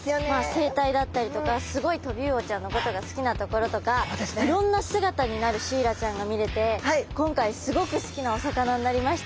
生態だったりとかすごいトビウオちゃんのことが好きなところとかいろんな姿になるシイラちゃんが見れて今回すごく好きなお魚になりました。